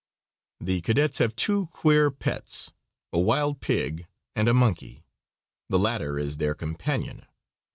The cadets have two queer pets, a wild pig and a monkey. The latter is their companion.